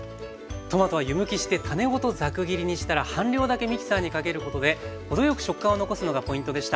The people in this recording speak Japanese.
トマトは湯むきして種ごとザク切りにしたら半量だけミキサーにかけることで程よく食感を残すのがポイントでした。